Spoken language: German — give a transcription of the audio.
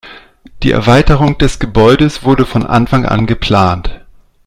Die Erweiterung des Gebäudes wurde von Anfang an geplant.